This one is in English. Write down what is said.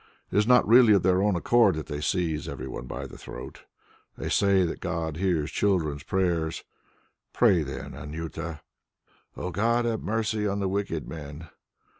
It is not really of their own accord that they seize every one by the throat. They say that God hears children's prayers. Pray then, Anjuta: 'O God, have mercy on the wicked men.'